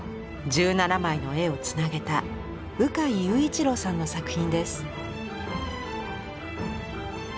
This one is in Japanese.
１７枚の絵をつなげた鵜飼結一朗さんの作品です。